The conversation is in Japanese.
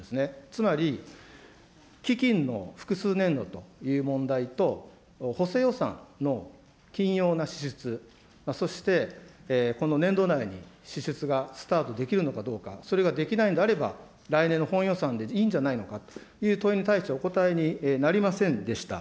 つまり基金の複数年度という問題と、補正予算の緊要な支出、そしてこの年度内に支出がスタートできるのかどうか、それができないんであれば来年の本予算でいいんじゃないのかという問いに対してお答えになりませんでした。